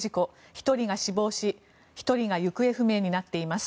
１人が死亡し１人が行方不明になっています。